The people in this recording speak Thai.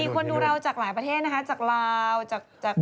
คนดูเราจากหลายประเทศนะคะจากลาว